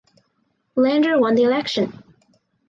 Lander won the election.